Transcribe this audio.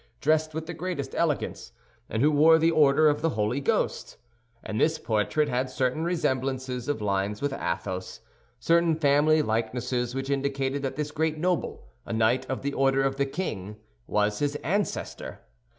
dressed with the greatest elegance, and who wore the Order of the Holy Ghost; and this portrait had certain resemblances of lines with Athos, certain family likenesses which indicated that this great noble, a knight of the Order of the King, was his ancestor.